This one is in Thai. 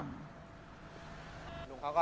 มีคลิปก่อนนะครับ